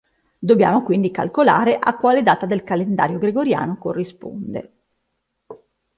Dobbiamo quindi calcolare a quale data del calendario gregoriano corrisponde.